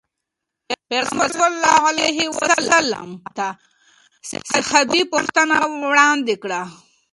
پيغمبر صلي الله علیه وسلم ته صحابي پوښتنې وړاندې کړې.